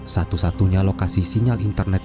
satu satunya lokasi sinyal internet